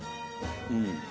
うん。